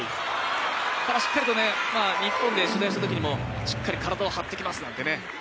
ただ、しっかりと日本で取材したときもしっかり体を張ってきますなんてね。